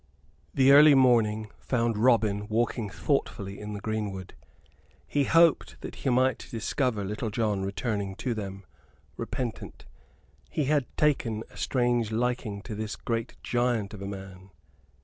The early morning found Robin walking thoughtfully in the greenwood. He hoped that he might discover Little John returning to them, repentant. He had taken a strange liking to this great giant of a man.